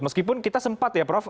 meskipun kita sempat ya prof